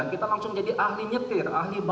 kita langsung jadi ahli nyetir ahli balas